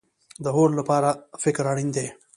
د هوډ لپاره فکر اړین دی